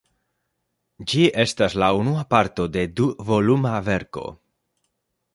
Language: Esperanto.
Ĝi estas la unua parto de du-voluma verko.